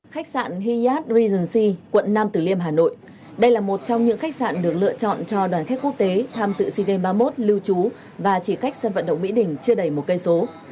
khách sạn hyatt regency quận năm tử liêm hà nội đây là một trong những khách sạn được lựa chọn cho đoàn khách quốc tế tham dự z game ba mươi một lưu trú và chỉ cách sân vận động mỹ đình chưa đầy một km